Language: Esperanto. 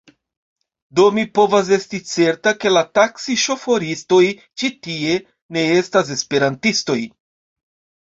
Do mi povas esti certa, ke la taksi-ŝoforistoj ĉi tie ne estas Esperantistoj.